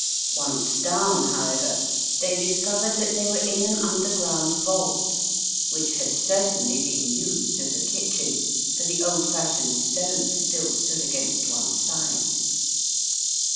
Once down, how ever, they discovered that they were in an under ground vault, which had certainly been used as a kit chen, for the old fashioned stoves still stood against one side.